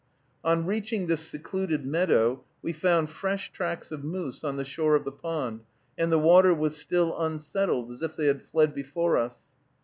On reaching this secluded meadow, we found fresh tracks of moose on the shore of the pond, and the water was still unsettled as if they had fled before us.